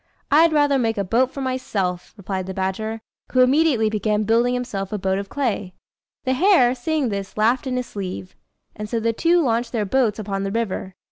I'd rather make a boat for myself," replied the badger, who immediately began building himself a boat of clay. The hare, seeing this, laughed in his sleeve; and so the two launched their boats upon the river.